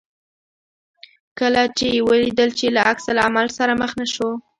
کله چې یې ولیدل چې له عکس العمل سره مخ نه شو.